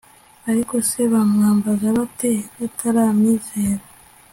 ariko se bamwambaza bate bataramwizera